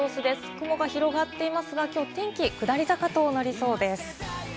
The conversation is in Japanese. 雲が広がっていますが、今日お天気下り坂となりそうです。